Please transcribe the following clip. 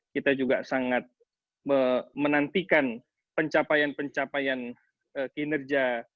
kita juga sangat menantikan pencapaian pencapaian kinerja